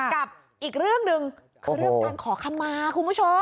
กับอีกเรื่องหนึ่งคือเรื่องการขอคำมาคุณผู้ชม